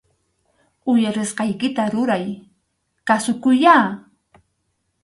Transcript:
Uyarisqaykita ruray, kasukuyyá